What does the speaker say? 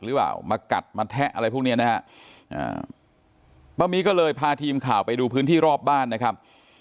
หรือเปล่ามากัดมาแทะอะไรพวกนี้นะฮะป้ามี่ก็เลยพาทีมข่าวไปดูพื้นที่รอบบ้านนะครับ